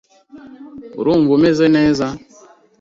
Urumva umeze neza?